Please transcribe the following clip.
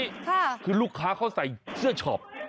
ค่ะคือลูกค้าเขาใส่เสื้อช็อป